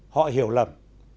họ hiểu lầm